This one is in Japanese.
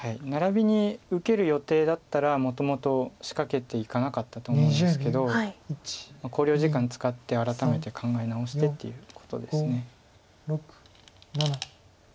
ナラビに受ける予定だったらもともと仕掛けていかなかったと思うんですけど考慮時間使って改めて考え直してっていうことです。